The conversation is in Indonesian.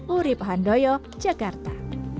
urip handoyo jakarta